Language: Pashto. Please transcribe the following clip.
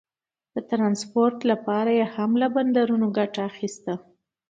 د ټرانسپورټ لپاره یې هم له بندرونو ګټه اخیسته.